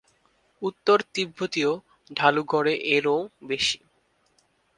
উত্তর তিব্বতীয় ঢালু গড়ে এর ও বেশি।